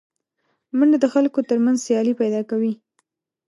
منډه د خلکو تر منځ سیالي پیدا کوي